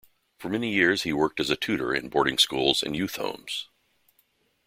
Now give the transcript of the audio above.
For many years he worked as a tutor in boarding schools and youth homes.